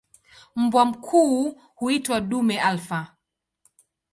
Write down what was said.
Mbwa mkuu huitwa "dume alfa".